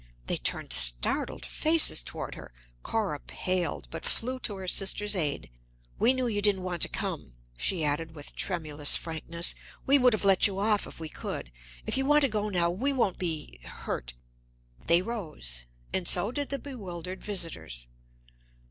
They turned startled faces toward her. Cora paled, but flew to her sister's aid. "We knew you didn't want to come," she added with tremulous frankness. "We would have let you off if we could. If you want to go now, we won't be hurt." They rose, and so did the bewildered visitors.